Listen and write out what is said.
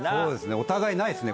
お互いないですね